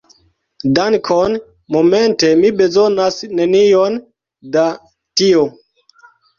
Dankon, momente mi bezonas nenion da tio.